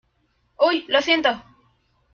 ¡ uy! lo siento.